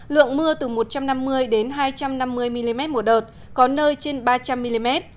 lượng mưa từ một trăm năm mươi đến hai trăm năm mươi mm một đợt có nơi trên ba trăm linh mm